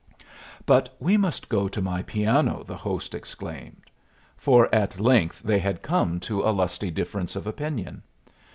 "But we must go to my piano," the host exclaimed. For at length they had come to a lusty difference of opinion.